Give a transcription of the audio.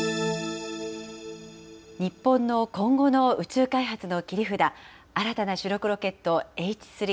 日本の今後の宇宙開発の切り札、新たな主力ロケット、Ｈ３。